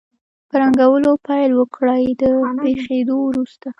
په رنګولو پیل وکړئ د پخېدو وروسته.